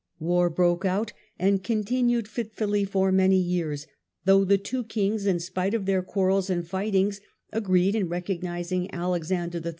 War broke out, and continued fitfully for many years, though the two kings, in spite of their quarrels and fightings, agreed in recognizing Alexander HI.